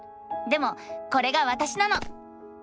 でもこれがわたしなの！